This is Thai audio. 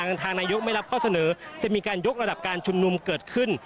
ทางนายกไม่รับข้อเสนอจะมีการยกระดับการชุมนุมเกิดขึ้น